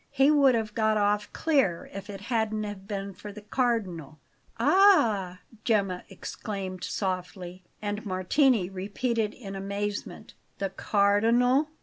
He would have got off clear if it hadn't been for the Cardinal." "Ah!" Gemma exclaimed softly; and Martini repeated in amazement: "The Cardinal?"